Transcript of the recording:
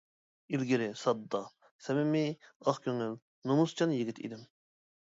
ئىلگىرى ساددا، سەمىمىي، ئاق كۆڭۈل، نومۇسچان يىگىت ئىدىم.